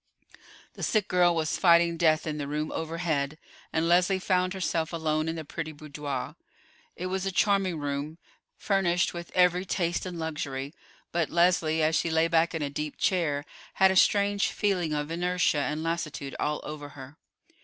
The sick girl was fighting death in the room overhead, and Leslie found herself alone in the pretty boudoir. It was a charming room, furnished with every taste and luxury; but Leslie, as she lay back in a deep chair, had a strange feeling of inertia and lassitude all over her.